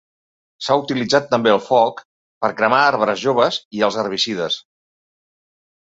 S'ha utilitzat també el foc per cremar arbres joves i els herbicides.